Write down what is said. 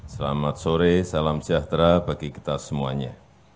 selamat sore salam sejahtera bagi kita semuanya